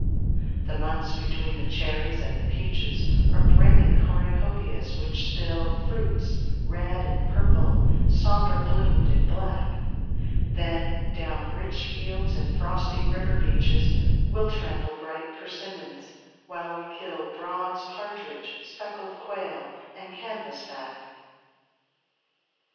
The months between the cherries and the peaches Are brimming cornucopias which spill Fruits red and purple, somber bloomed and black; Then, down rich fields and frosty river beaches We'll trample bright persimmons, while we kill Bronze partridge, speckled quail, and canvas back.